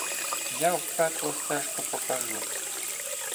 Я в пекло стежку покажу: